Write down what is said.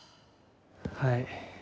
はい。